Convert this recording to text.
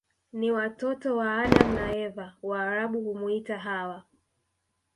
Ni watoto wa Adamu na Eva Waarabu humuita Hawa